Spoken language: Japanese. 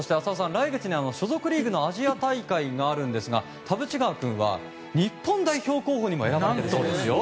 来月、所属リーグのアジア大会があるんですが田渕川君は日本代表候補にも選ばれているんですよ。